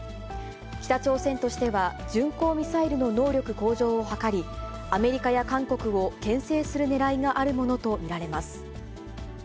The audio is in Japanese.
北朝鮮としては巡航ミサイルの能力向上を図り、アメリカや韓国をけん制するねらいがあるものと見られます。